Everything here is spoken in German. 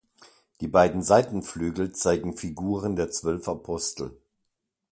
Die beiden Seitenflügel zeigen Figuren der zwölf Apostel.